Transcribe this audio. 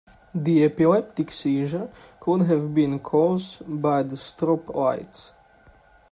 The epileptic seizure could have been cause by the strobe lights.